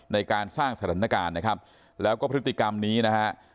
ในการสร้างสถานการณ์นะครับแล้วก็พฤติกรรมนี้นะฮะ